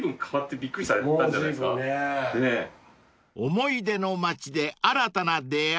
［思い出の街で新たな出会い。